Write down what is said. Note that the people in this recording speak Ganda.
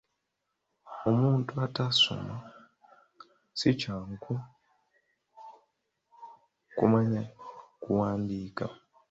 Omuntu ataasoma si kyangu kya kumanya kuwandiika.